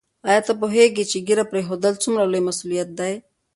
آیا ته پوهېږې چې ږیره پرېښودل څومره لوی مسؤلیت دی؟